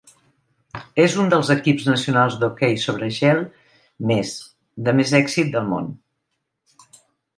És un dels equips nacionals d'hoquei sobre gel més de més èxit del món.